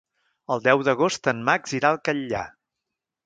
El deu d'agost en Max irà al Catllar.